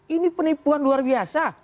ini penipuan luar biasa